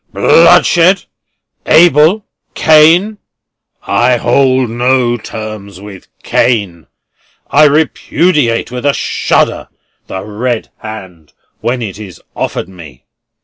"Bloodshed! Abel! Cain! I hold no terms with Cain. I repudiate with a shudder the red hand when it is offered me."